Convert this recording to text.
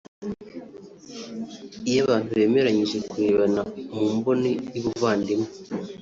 iyo abantu bemeranyijwe kurebana mu mboni y’ubuvandimwe